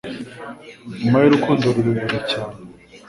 Nyuma y'urukundo rurerure cyane